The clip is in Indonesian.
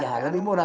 ya lebih murah